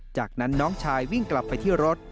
จากนั้นน้องชายวิ่งกลับไปที่รถ